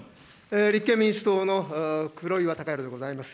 立憲民主党の黒岩宇洋でございます。